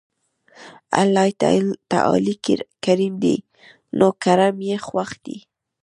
الله تعالی کريم دی نو کرَم ئي خوښ دی